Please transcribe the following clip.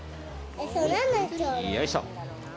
よいしょ。